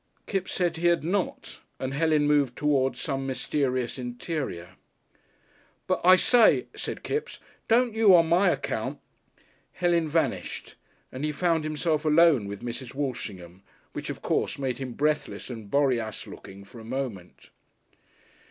Kipps said he had not, and Helen moved towards some mysterious interior. "But I say," said Kipps; "don't you on my account !" Helen vanished, and he found himself alone with Mrs. Walshingham, which, of course, made him breathless and Boreas looking for a moment.